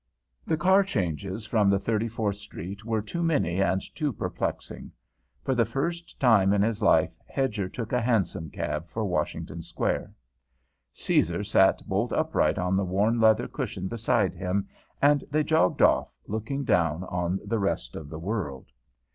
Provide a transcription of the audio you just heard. The car changes from Thirty fourth Street were too many and too perplexing; for the first time in his life Hedger took a hansom cab for Washington Square. Caesar sat bolt upright on the worn leather cushion beside him, and they jogged off, looking down on the rest of the world.